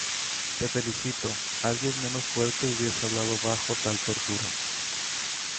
Te felicito. Alguien menos fuerte hubiese hablado bajo tal tortura .